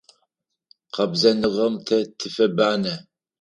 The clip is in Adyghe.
Къэбзэныгъэм тэ тыфэбанэ.